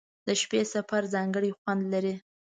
• د شپې سفر ځانګړی خوند لري.